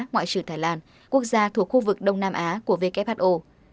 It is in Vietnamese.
ngoại trưởng thái lan quốc gia thuộc khu vực đông nam á của who